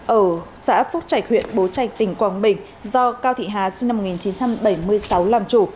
ở xã phúc trạch huyện bố trạch tỉnh quảng bình do cao thị hà sinh năm một nghìn chín trăm bảy mươi sáu làm chủ